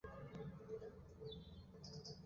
雪白粉背蕨为中国蕨科粉背蕨属下的一个种。